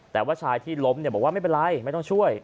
แต่ว่าชายที่ล้มบอกว่าไม่เป็นไรไม่ต้องช่วย